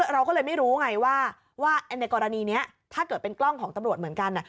เราก็เลยไม่รู้ไงว่าในกรณีนี้ถ้าเกิดเป็นกล้องของตำรวจเหมือนกัน